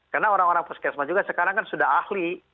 karena orang orang puskesmas juga sekarang kan sudah ahli